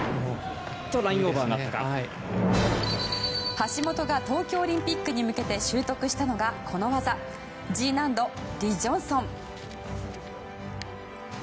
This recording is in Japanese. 橋本が東京オリンピックに向けて習得したのがこの技Ｇ難度、リ・ジョンソン。